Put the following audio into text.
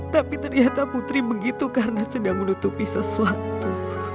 tapi ternyata putri begitu karena sedang menutupi sesuatu